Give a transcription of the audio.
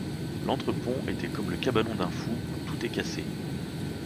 L’entre-pont était comme le cabanon d’un fou où tout est cassé.